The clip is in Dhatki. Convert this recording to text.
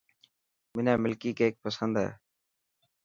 حنا ملڪي ڪيڪ پسند هي.